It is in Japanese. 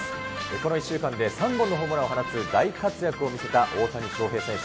この１週間で３本のホームランを放つ大活躍を見せた大谷翔平選手。